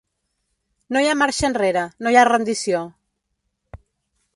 No hi ha marxa enrere, no hi ha rendició.